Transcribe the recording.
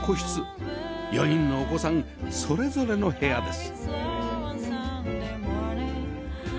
４人のお子さんそれぞれの部屋です